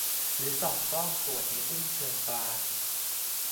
หรือส่องกล้องตรวจในอุ้งเชิงกราน